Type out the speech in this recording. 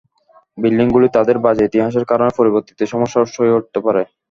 বিল্ডিংগুলি তাদের বাজে ইতিহাসের কারণে পরবর্তীতে সমস্যার উৎস হয়ে উঠতে পারে।